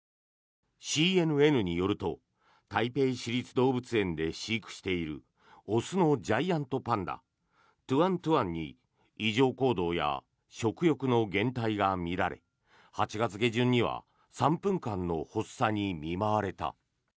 ＣＮＮによると台北市立動物園で飼育している雄のジャイアントパンダトゥアン・トゥアンに異常行動や食欲の減退が見られ８月下旬には３分間の発作に見舞われた。